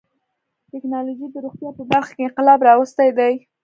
ټکنالوجي د روغتیا په برخه کې انقلاب راوستی دی.